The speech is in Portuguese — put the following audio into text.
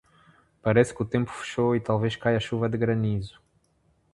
Parece que o tempo fechou e talvez caia chuva de granizo